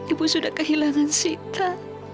ibu sudah kehilangan sita